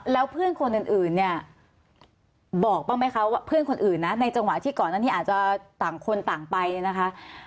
แล้วเพื่อนคนอื่นเนี่ยบอกบ้างไหมคะว่าเพื่อนคนอื่นนะในจังหวะที่ก่อนนั้นที่อาจจะต่างคนต่างไปเนี่ยนะคะ